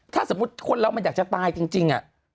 ถ้าสมมุติคนเรามันอยากจะตายจริง